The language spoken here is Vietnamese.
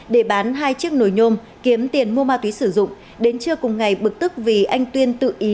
để bán hai chiếc nồi nhôm kiếm tiền mua ma túy sử dụng đến trưa cùng ngày bực tức vì anh tuyên tự ý